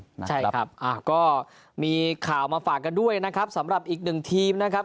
ใช่ครับอ่าก็มีข่าวมาฝากกันด้วยนะครับสำหรับอีกหนึ่งทีมนะครับ